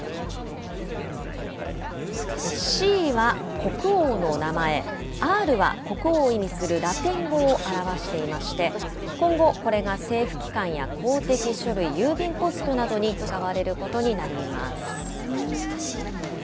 Ｃは国王の名前、Ｒは国王を意味するラテン語を表していまして、今後、これが政府機関や公的書類、郵便ポストなどに使われることになります。